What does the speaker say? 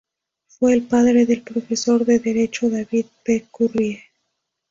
Fue el padre del profesor de derecho David P. Currie.